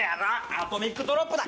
アトミック・ドロップだ！